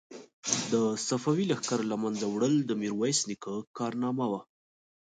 د صفوي لښکر له منځه وړل د میرویس نیکه کارنامه وه.